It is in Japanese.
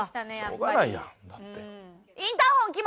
しょうがないやんだって。